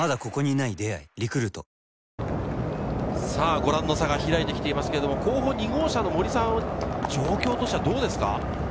さぁ、ご覧の差が開いてきていますが、後方２号車・森さん、状況としてはどうですか？